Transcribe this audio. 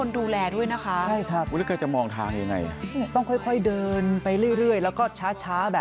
ดูฮะ